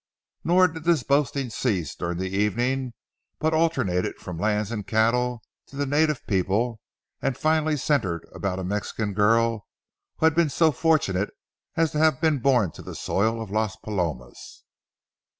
Nor did this boasting cease during the evening, but alternated from lands and cattle to the native people, and finally centred about a Mexican girl who had been so fortunate as to have been born to the soil of Las Palomas.